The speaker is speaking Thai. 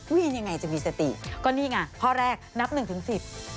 ยังไงจะมีสติก็นี่ไงข้อแรกนับหนึ่งถึงสิบ